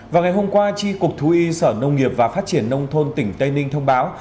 vào ngày hôm qua tri cục thú y sở nông nghiệp và phát triển nông thôn tỉnh tây ninh thông báo